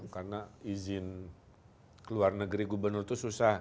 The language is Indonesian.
karena izin luar negeri gubernur itu susah